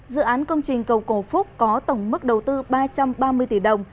dự án công trình cầu cổ phúc có tổng mức đầu tư ba trăm ba mươi tỷ đồng